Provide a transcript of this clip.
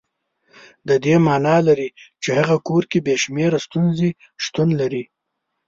د دې معنا لري چې هغه کور کې بې شمېره ستونزې شتون لري.